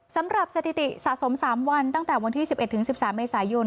สถิติสะสม๓วันตั้งแต่วันที่๑๑๑๓เมษายน